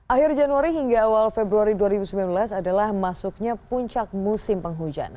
akhir januari hingga awal februari dua ribu sembilan belas adalah masuknya puncak musim penghujan